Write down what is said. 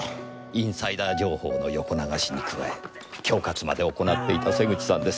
インサイダー情報の横流しに加え恐喝まで行っていた瀬口さんです。